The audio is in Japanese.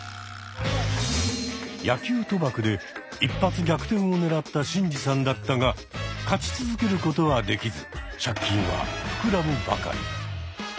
野球賭博で一発逆転をねらったシンジさんだったが勝ち続けることはできず借金は膨らむばかり。